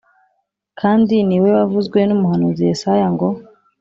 Kandi ni we wavuzwe n umuhanuzi Yesaya ngo